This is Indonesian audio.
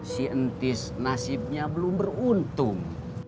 si entis nasibnya belum beruntung